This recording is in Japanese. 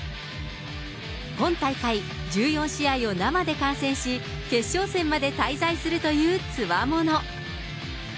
今大会、１４試合を生で観戦し、決勝戦まで滞在するというつわもの。